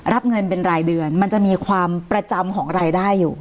รับเงินเป็นรายเดือนมันจะมีความประจำของรายได้อยู่